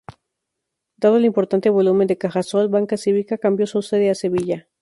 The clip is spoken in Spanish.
Dado el importante volumen de Cajasol, Banca Cívica cambió su sede a Sevilla.